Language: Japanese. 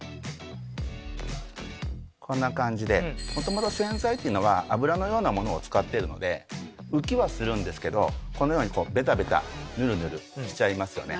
こんな感じで元々洗剤というのは油のようなものを使ってるので浮きはするんですけどこのようにベタベタヌルヌルしちゃいますよね。